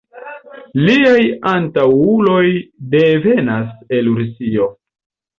Liaj antaŭuloj devenas el Rusio.